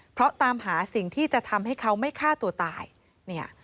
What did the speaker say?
เพราะตามหาสิ่งที่จะทำให้เขาไม่ฆ่าตัวตายเนี่ย